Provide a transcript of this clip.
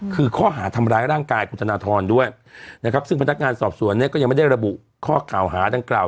คือข้อหาทำร้ายร่างกายคุณธนทรด้วยนะครับซึ่งพนักงานสอบสวนเนี่ยก็ยังไม่ได้ระบุข้อกล่าวหาดังกล่าว